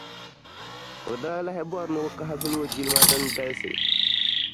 O daa lan bɔri ni o kahigila o jilima din galisi.